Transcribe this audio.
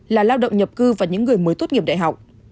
là lao động nhập cư và những người mới tốt nghiệp đại học